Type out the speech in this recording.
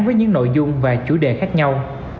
với những nội dung và chủ đề khác nhau